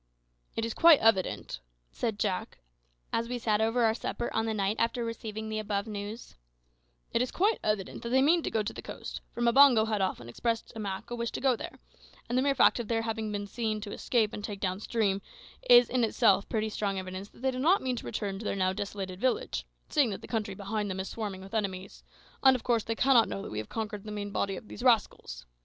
"It is quite evident," said Jack, as we sat over our supper on the night after receiving the above news "it is quite evident that they mean to go to the coast, for Mbango had often expressed to Mak a wish to go there; and the mere fact of their having been seen to escape and take down stream, is in itself pretty strong evidence that they did not mean to return to their now desolated village, seeing that the country behind them is swarming with enemies; and of course they cannot know that we have conquered the main body of these rascals.